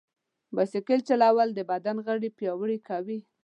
بایسکل چلول د بدن غړي پیاوړي کوي.